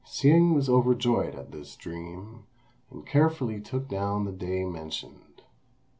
Hsing was overjoyed at this dream, and carefully took down the day mentioned.